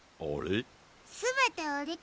あれ？